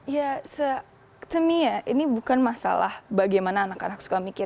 ya to me ya ini bukan masalah bagaimana anak anak suka memikir